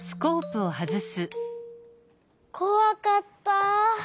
こわかった！